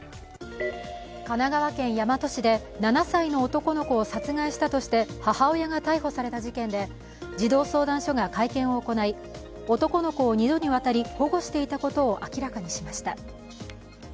神奈川県大和市で７歳の男の子を殺害したとして母親が逮捕された事件で、児童相談所が会見を行い、男の子を２度にわたり保護していたことを明らかにしました。